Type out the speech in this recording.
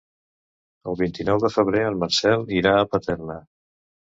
El vint-i-nou de febrer en Marcel irà a Paterna.